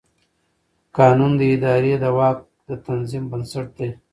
قانون د ادارې د واک د تنظیم بنسټ دی.